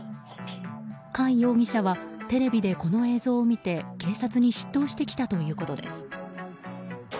貝容疑者はテレビでこの映像を見て警察に出頭してきたということです。